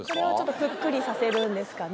ぷっくりさせるんですかね。